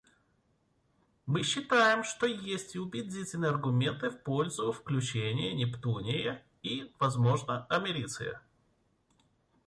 Мы считаем, что есть и убедительные аргументы в пользу включения нептуния и, возможно, америция.